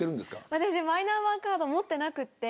私、マイナンバーカード持ってなくて。